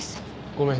ごめん。